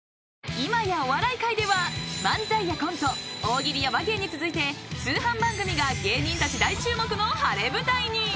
［今やお笑い界では漫才やコント大喜利や話芸に続いて通販番組が芸人たち大注目の晴れ舞台に］